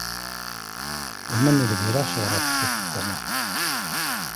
D aman n lbir axir af wid n tala.